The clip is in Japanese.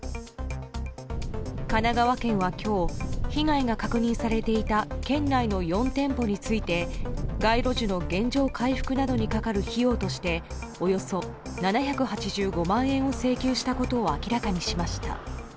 神奈川県は、今日被害が確認されていた県内の４店舗について街路樹の原状回復などにかかる費用としておよそ７８５万円を請求したことを明らかにしました。